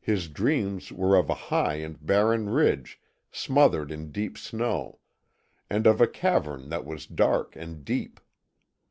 His dreams were of a high and barren ridge smothered in deep snow, and of a cavern that was dark and deep.